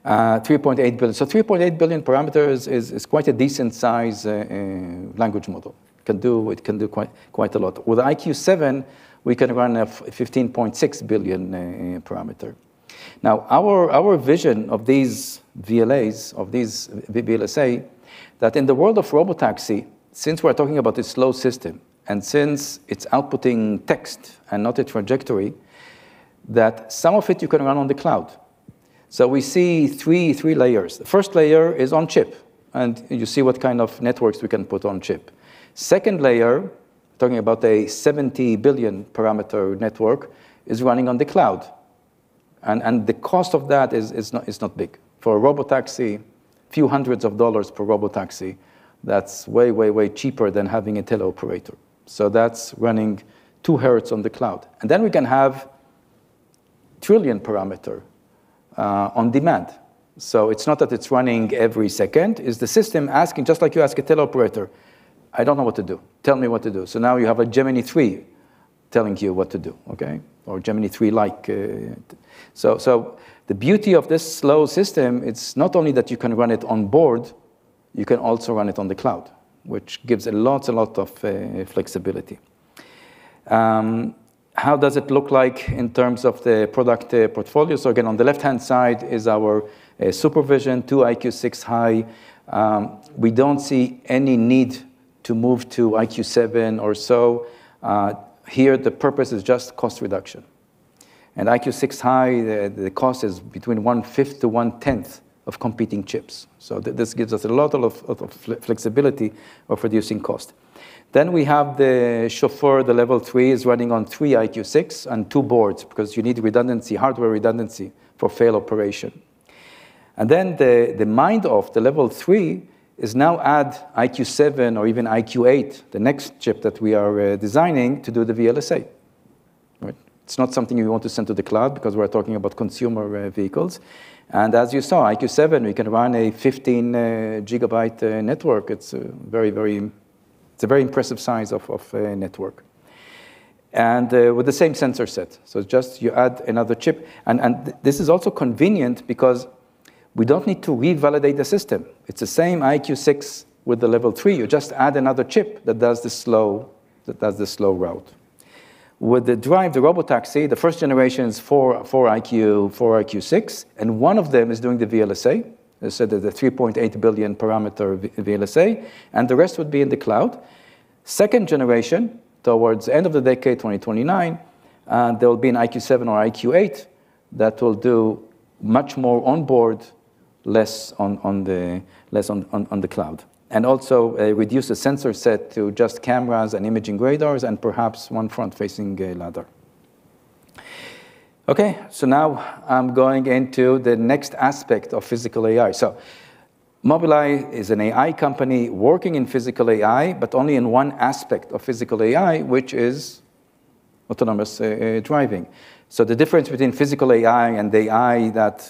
3.8 billion, so 3.8 billion parameters is quite a decent size language model. It can do quite a lot. With EyeQ7, we can run a 15.6 billion parameter. Now, our vision of these VLAs, of these VLSA, that in the world of robotaxi, since we're talking about a slow system and since it's outputting text and not a trajectory, that some of it you can run on the cloud. So we see three layers. The first layer is on chip, and you see what kind of networks we can put on chip. Second layer, talking about a 70 billion parameter network, is running on the cloud. And the cost of that is not big. For a robotaxi, a few hundred dollars per robotaxi, that's way, way, way cheaper than having a teleoperator. So that's running two hertz on the cloud. And then we can have trillion parameter on demand. So it's not that it's running every second. It's the system asking, just like you ask a teleoperator, "I don't know what to do. Tell me what to do." So now you have a Gemini 3 telling you what to do, okay? Or Gemini 3 like. So the beauty of this slow system, it's not only that you can run it on board, you can also run it on the cloud, which gives a lot, a lot of flexibility. How does it look like in terms of the product portfolio? So again, on the left-hand side is our Supervision toEyeQ6 High. We don't see any need to move to EyeQ7 or so. Here, the purpose is just cost reduction. AndEyeQ6 High, the cost is between one-fifth to one-tenth of competing chips. So this gives us a lot of flexibility of reducing cost. Then we have the Chauffeur, the Level 3 is running on threeEyeQ6 and two boards because you need redundancy, hardware redundancy for fail operation. And then the mind-off, the Level 3 is now add EyeQ7 or even EyeQ8, the next chip that we are designing to do the VLSA. It's not something we want to send to the cloud because we're talking about consumer vehicles. And as you saw, EyeQ7, we can run a 15-gigabyte network. It's a very, very, it's a very impressive size of network. And with the same sensor set. So just you add another chip. And this is also convenient because we don't need to revalidate the system. It's the sameEyeQ6 with the Level 3. You just add another chip that does the slow route. With the Drive, the Robotaxi, the first generation is fourEyeQ6, and one of them is doing the VLSA. I said there's a 3.8 billion parameter VLSA, and the rest would be in the cloud. Second generation, towards the end of the decade, 2029, there will be an EyeQ7 or EyeQ8 that will do much more on board, less on the cloud, and also reduce the sensor set to just cameras and imaging radars and perhaps one front-facing LiDAR. Okay, so now I'm going into the next aspect of physical AI. So Mobileye is an AI company working in physical AI, but only in one aspect of physical AI, which is autonomous driving. So the difference between physical AI and the AI that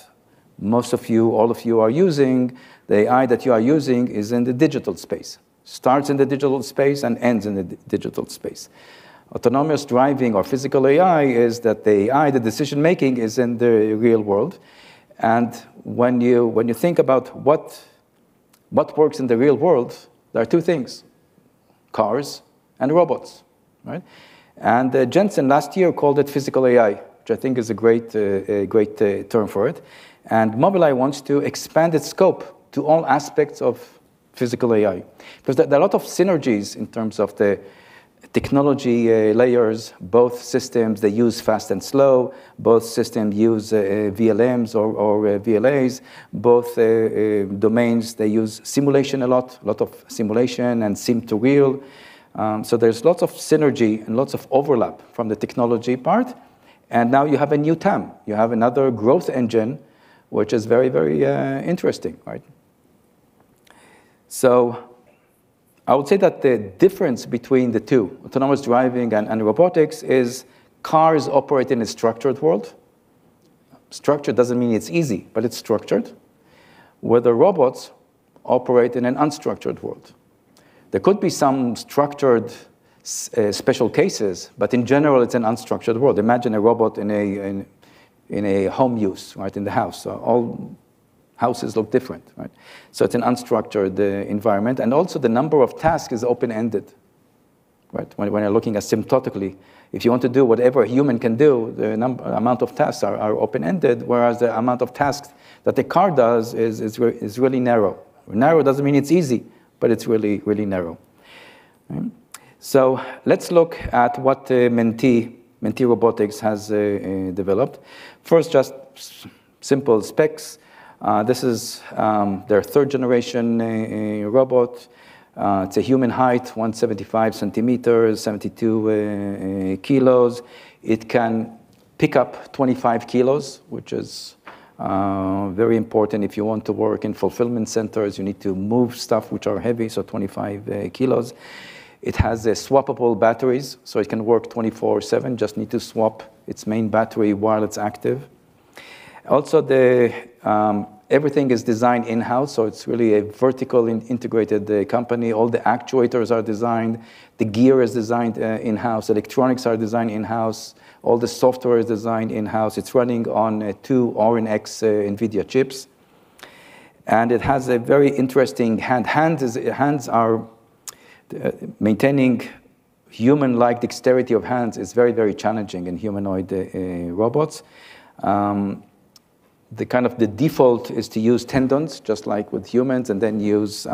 most of you, all of you are using, the AI that you are using is in the digital space. Starts in the digital space and ends in the digital space. Autonomous driving or physical AI is that the AI, the decision-making is in the real world. When you think about what works in the real world, there are two things: cars and robots. Jensen last year called it Physical AI, which I think is a great term for it. Mobileye wants to expand its scope to all aspects of Physical AI because there are a lot of synergies in terms of the technology layers. Both systems, they use fast and slow. Both systems use VLMs or VLAs. Both domains, they use simulation a lot, a lot of simulation and sim-to-real. There's lots of synergy and lots of overlap from the technology part. Now you have a new TAM. You have another growth engine, which is very, very interesting. I would say that the difference between the two, autonomous driving and robotics, is cars operate in a structured world. Structured doesn't mean it's easy, but it's structured, where the robots operate in an unstructured world. There could be some structured special cases, but in general, it's an unstructured world. Imagine a robot in a home use, in the house. All houses look different. So it's an unstructured environment. And also the number of tasks is open-ended. When you're looking asymptotically, if you want to do whatever a human can do, the amount of tasks are open-ended, whereas the amount of tasks that the car does is really narrow. Narrow doesn't mean it's easy, but it's really, really narrow. So let's look at what Mentee Robotics has developed. First, just simple specs. This is their third-generation robot. It's a human height, 175 centimeters, 72 kilos. It can pick up 25 kilos, which is very important. If you want to work in fulfillment centers, you need to move stuff which are heavy, so 25 kilos. It has swappable batteries, so it can work 24/7. Just need to swap its main battery while it's active. Also, everything is designed in-house, so it's really a vertical integrated company. All the actuators are designed. The gear is designed in-house. Electronics are designed in-house. All the software is designed in-house. It's running on two Orin X Nvidia chips. And it has a very interesting hand. Maintaining human-like dexterity of hands is very, very challenging in humanoid robots. The kind of default is to use tendons, just like with humans, and then use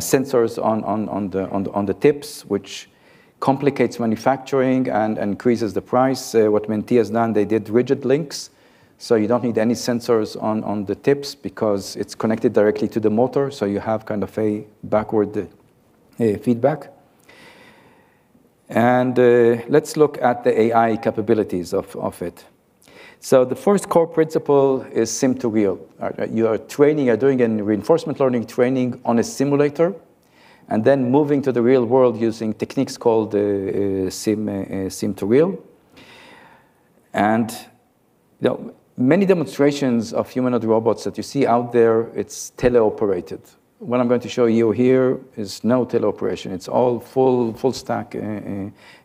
sensors on the tips, which complicates manufacturing and increases the price. What Mentee has done, they did rigid links, so you don't need any sensors on the tips because it's connected directly to the motor, so you have kind of a backward feedback. And let's look at the AI capabilities of it. So the first core principle is sim-to-real. You are training, you're doing a reinforcement learning training on a simulator, and then moving to the real world using techniques called sim-to-real. And many demonstrations of humanoid robots that you see out there, it's teleoperated. What I'm going to show you here is no teleoperation. It's all full-stack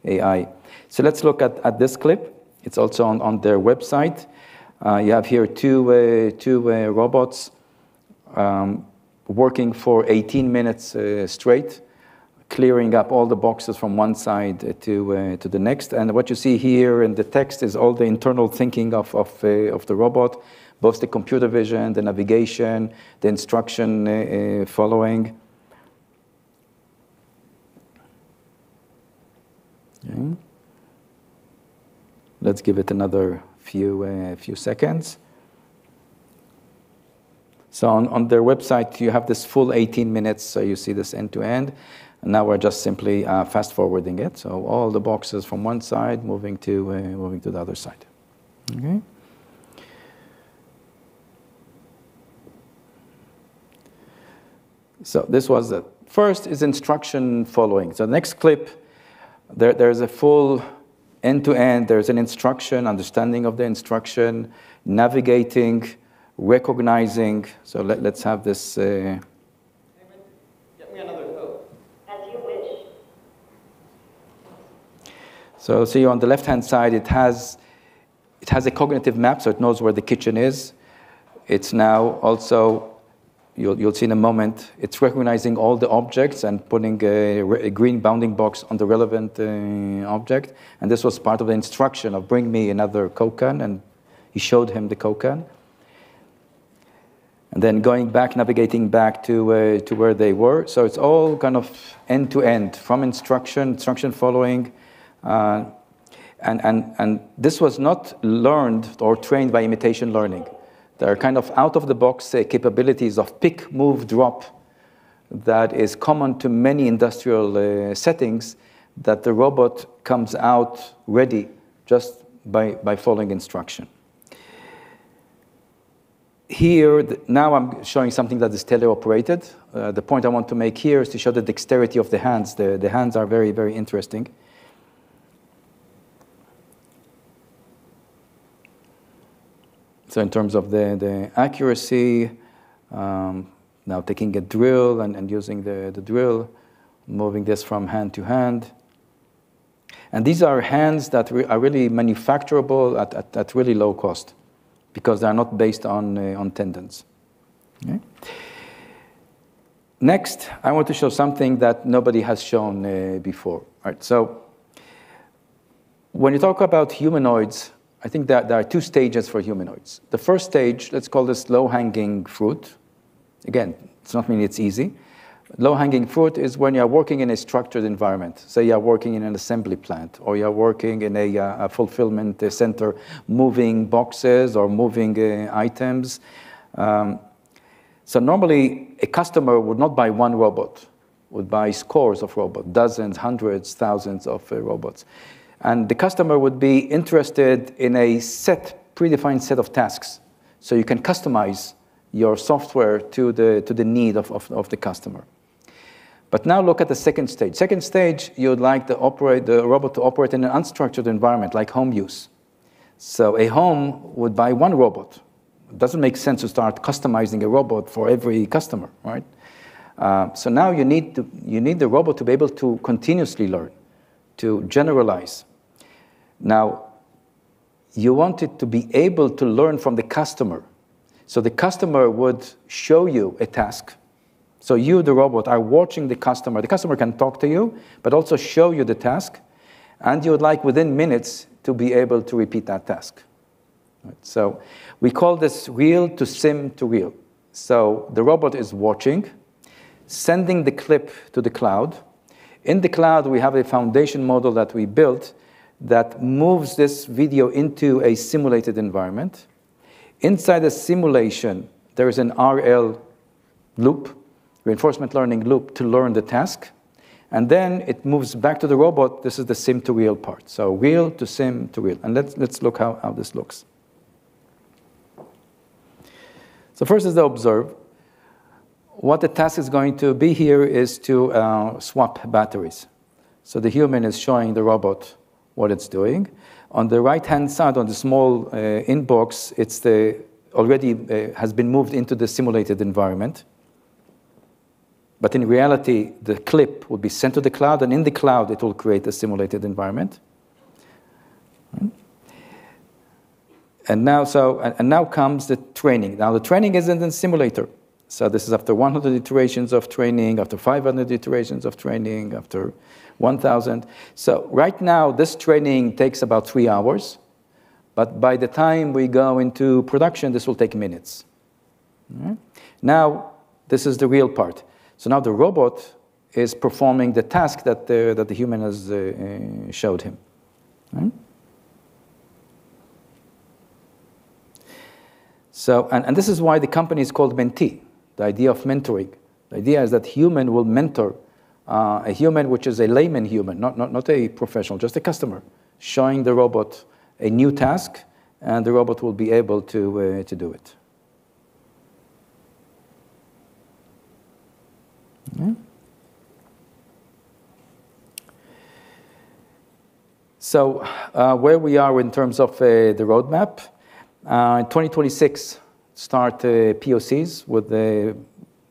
AI. So let's look at this clip. It's also on their website. You have here two robots working for 18 minutes straight, clearing up all the boxes from one side to the next. And what you see here in the text is all the internal thinking of the robot, both the computer vision, the navigation, the instruction following. Let's give it another few seconds. So on their website, you have this full 18 minutes, so you see this end to end. And now we're just simply fast forwarding it. So all the boxes from one side, moving to the other side. So this was the first is instruction following. So next clip, there's a full end to end. There's an instruction, understanding of the instruction, navigating, recognizing. So let's have this. Give me another code. As you wish. So, see on the left-hand side, it has a cognitive map, so it knows where the kitchen is. It's now also, you'll see in a moment, it's recognizing all the objects and putting a green bounding box on the relevant object. And this was part of the instruction of, "Bring me another Coke can," and he showed him the Coke can. And then going back, navigating back to where they were. So it's all kind of end-to-end from instruction, instruction following. And this was not learned or trained by imitation learning. There are kind of out-of-the-box capabilities of pick, move, drop that is common to many industrial settings that the robot comes out ready just by following instruction. Here, now I'm showing something that is teleoperated. The point I want to make here is to show the dexterity of the hands. The hands are very, very interesting. In terms of the accuracy, now taking a drill and using the drill, moving this from hand to hand. These are hands that are really manufacturable at really low cost because they're not based on tendons. Next, I want to show something that nobody has shown before. When you talk about humanoids, I think there are two stages for humanoids. The first stage, let's call this low-hanging fruit. Again, it's not meaning it's easy. Low-hanging fruit is when you're working in a structured environment. Say you're working in an assembly plant or you're working in a fulfillment center moving boxes or moving items. Normally, a customer would not buy one robot, would buy scores of robots, dozens, hundreds, thousands of robots. The customer would be interested in a set, predefined set of tasks. You can customize your software to the need of the customer. But now look at the second stage. Second stage, you would like the robot to operate in an unstructured environment like home use. So a home would buy one robot. It doesn't make sense to start customizing a robot for every customer. So now you need the robot to be able to continuously learn, to generalize. Now, you want it to be able to learn from the customer. So the customer would show you a task. So you, the robot, are watching the customer. The customer can talk to you, but also show you the task. And you would like within minutes to be able to repeat that task. So we call this real to sim to real. So the robot is watching, sending the clip to the cloud. In the cloud, we have a foundation model that we built that moves this video into a simulated environment. Inside the simulation, there is an RL loop, reinforcement learning loop to learn the task, and then it moves back to the robot. This is the sim-to-real part, so real to sim to real, and let's look how this looks, so first, as I observe, what the task is going to be here is to swap batteries, so the human is showing the robot what it's doing, on the right-hand side, on the small inbox, it already has been moved into the simulated environment, but in reality, the clip will be sent to the cloud, and in the cloud, it will create a simulated environment, and now comes the training. Now, the training isn't in simulator, so this is after 100 iterations of training, after 500 iterations of training, after 1,000, so right now, this training takes about three hours. But by the time we go into production, this will take minutes. Now, this is the real part. So now the robot is performing the task that the human has showed him. And this is why the company is called Mentee, the idea of mentoring. The idea is that human will mentor a human which is a layman human, not a professional, just a customer, showing the robot a new task, and the robot will be able to do it. So where we are in terms of the roadmap, in 2026, start POCs with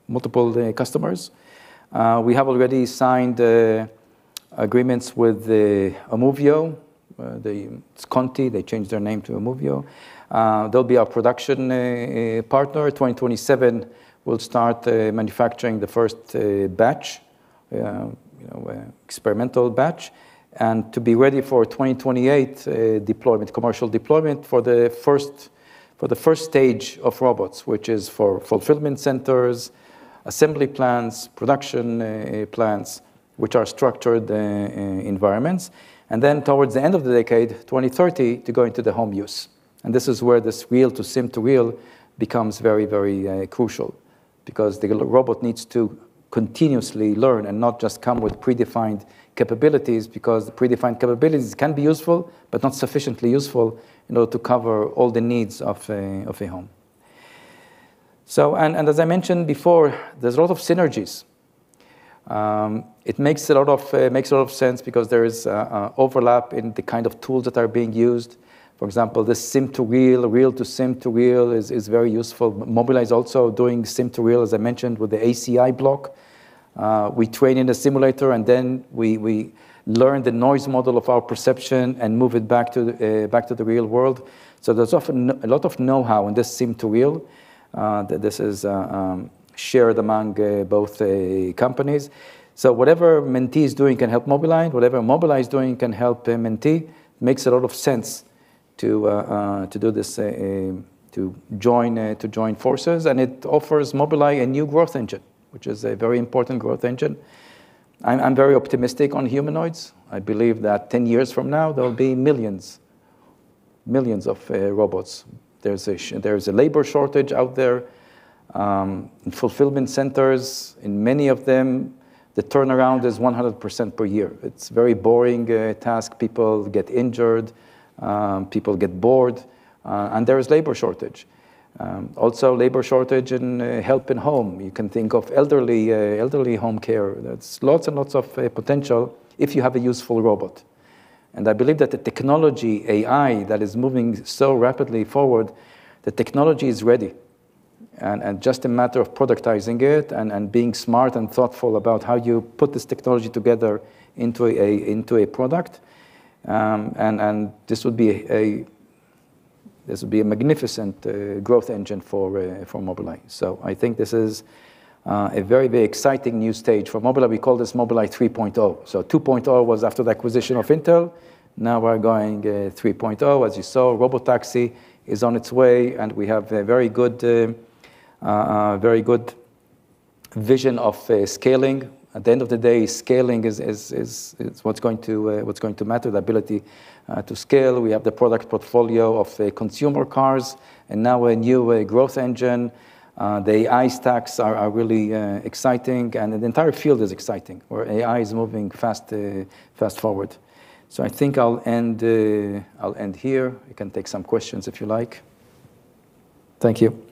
multiple customers. We have already signed agreements with Amuvio. It's Conti. They changed their name to Amuvio. They'll be our production partner. 2027, we'll start manufacturing the first batch, experimental batch, and to be ready for 2028, commercial deployment for the first stage of robots, which is for fulfillment centers, assembly plants, production plants, which are structured environments, and then towards the end of the decade, 2030, to go into the home use, and this is where this sim-to-real becomes very, very crucial because the robot needs to continuously learn and not just come with predefined capabilities because the predefined capabilities can be useful, but not sufficiently useful in order to cover all the needs of a home, and as I mentioned before, there's a lot of synergies. It makes a lot of sense because there is overlap in the kind of tools that are being used. For example, the sim-to-real, real to sim-to-real is very useful. Mobileye is also doing sim-to-real, as I mentioned, with the ACI block. We train in a simulator, and then we learn the noise model of our perception and move it back to the real world. So there's often a lot of know-how in this sim-to-real that this is shared among both companies. So whatever Mentee is doing can help Mobileye. Whatever Mobileye is doing can help Mentee. It makes a lot of sense to join forces. And it offers Mobileye a new growth engine, which is a very important growth engine. I'm very optimistic on humanoids. I believe that 10 years from now, there will be millions, millions of robots. There's a labor shortage out there in fulfillment centers. In many of them, the turnaround is 100% per year. It's a very boring task. People get injured. People get bored. And there is labor shortage. Also, labor shortage in help in home. You can think of elderly home care. There's lots and lots of potential if you have a useful robot. And I believe that the technology, AI, that is moving so rapidly forward, the technology is ready. And just a matter of productizing it and being smart and thoughtful about how you put this technology together into a product. And this would be a magnificent growth engine for Mobileye. So I think this is a very, very exciting new stage for Mobileye. We call this Mobileye 3.0. So 2.0 was after the acquisition of Intel. Now we're going 3.0. As you saw, Robotaxi is on its way, and we have a very good vision of scaling. At the end of the day, scaling is what's going to matter, the ability to scale. We have the product portfolio of consumer cars, and now a new growth engine. The AI stacks are really exciting, and the entire field is exciting where AI is moving fast forward. So I think I'll end here. You can take some questions if you like. Thank you.